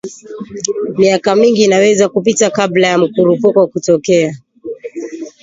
Miaka mingi inaweza kupita kabla ya mkurupuko kutokea